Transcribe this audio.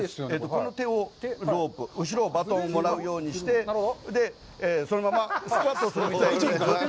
この手をロープ、後ろをバトンもらうようにして、そのままスクワットをするみたいに。